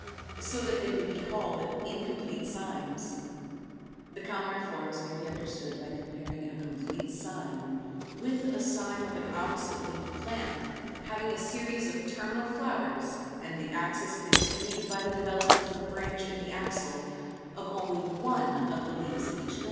So that they may be called incomplete cymes. The commoner forms may be understood by comparing a complete cyme, like that of Fig. 215 with Fig. 216, the diagram of a cyme of an opposite leaved plant, having a series of terminal flowers and the axis continued by the development of a branch in the axil of only one of the leaves at each node.